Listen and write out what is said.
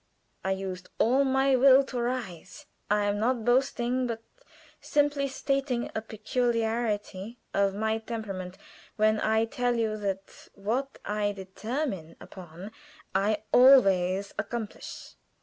I used all my will to rise. I am not boasting, but simply stating a peculiarity of my temperament when I tell you that what I determine upon I always accomplish.